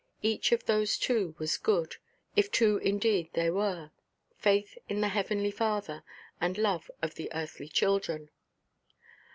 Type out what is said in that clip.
Each of those two was good, if two indeed they were—faith in the heavenly Father, and love of the earthly children.